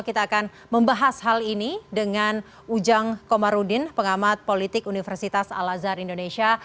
kita akan membahas hal ini dengan ujang komarudin pengamat politik universitas al azhar indonesia